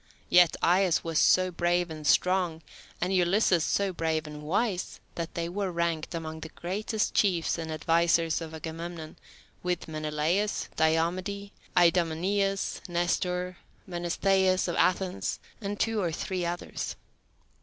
Yet Aias was so brave and strong, and Ulysses so brave and wise, that they were ranked among the greatest chiefs and advisers of Agamemnon, with Menelaus, Diomede, Idomeneus, Nestor, Menestheus of Athens, and two or three others.